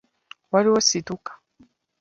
Waliwo situka.